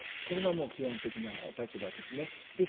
これが基本的な立場ですね。